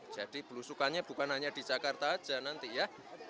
jadi belusukannya bukan hanya di jakarta aja nanti ya